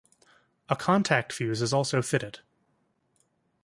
A contact fuse is also fitted.